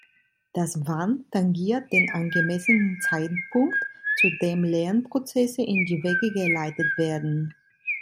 Das "Wann" tangiert den angemessenen Zeitpunkt, zu dem Lernprozesse in die Wege geleitet werden.